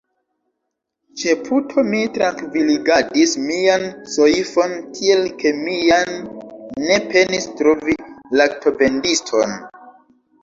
Ĉe puto mi trankviligadis mian soifon, tiel ke mi jam ne penis trovi laktovendiston.